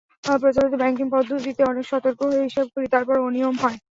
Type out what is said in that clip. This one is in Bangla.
প্রচলিত ব্যাংকিং পদ্ধতিতে অনেক সতর্ক হয়ে হিসাব খুলি, তারপরও অনিয়ম হয়।